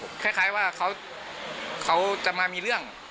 ช่วยเร่งจับตัวคนร้ายให้ได้โดยเร่ง